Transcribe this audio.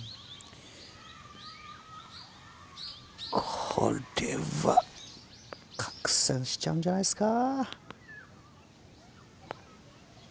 これは拡散しちゃうんじゃないっすか。